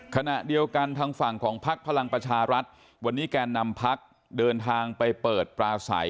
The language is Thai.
ขณะเดียวกันทางฝั่งของพักพลังประชารัฐวันนี้แกนนำพักเดินทางไปเปิดปลาใส